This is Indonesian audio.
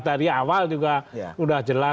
dari awal juga sudah jelas